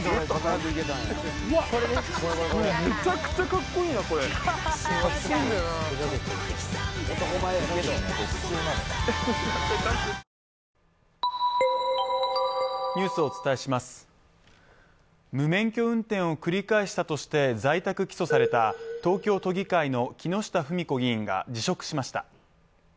ここうわっこれ無免許運転を繰り返したとして在宅起訴された東京都議会の木下富美子議員が辞職しました。